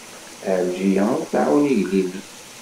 Ɛelǧiya ur tɛawen igellilen.